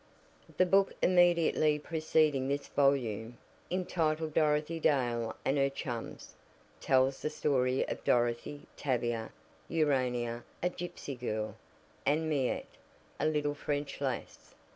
The book immediately preceding this volume, entitled "Dorothy Dale and her Chums," tells the story of Dorothy, Tavia, Urania, a gypsy girl, and Miette, a little French lass.